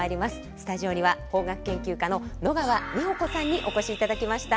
スタジオには邦楽研究家の野川美穂子さんにお越しいただきました。